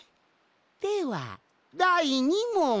ではだい２もん。